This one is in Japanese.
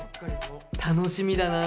楽しみだな。